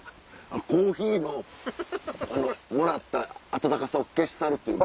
コーヒーのもらった温かさを消し去るという。